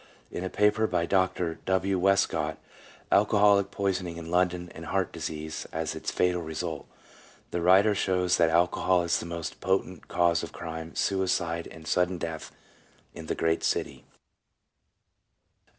In a paper by Dr. W. Wescott, " Alcoholic Poisoning in London, and Heart Disease as its Fatal Result," the writer shows that alcohol is the most potent cause of crime, suicide, and sudden death in the great city.